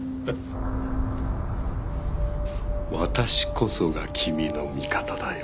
私こそが君の味方だよ。